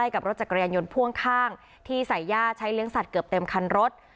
กับรถจักรยานยนต์พ่วงข้างที่ใส่ย่าใช้เลี้ยงสัตว์เกือบเต็มคันรถ